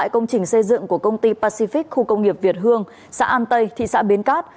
công trình xây dựng của công ty pacific khu công nghiệp việt hương xã an tây thị xã bến cát